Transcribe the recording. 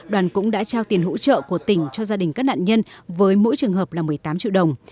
đoàn cũng đã trao tiền hỗ trợ của tỉnh cho gia đình các nạn nhân với mỗi trường hợp là một mươi tám triệu đồng